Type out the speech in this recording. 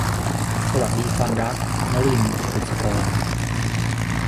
สวัสดีความรัก - นลิน บุษกร